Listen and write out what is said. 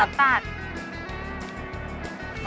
โอ๊ยอร่อยมากอร่อย